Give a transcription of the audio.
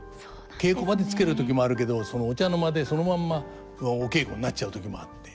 稽古場でつける時もあるけどお茶の間でそのまんまお稽古になっちゃう時もあって。